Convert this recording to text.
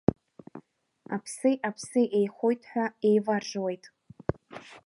Аԥси аԥси еихәоит ҳәа еиваржуеит.